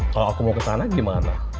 kalau aku mau kesana gimana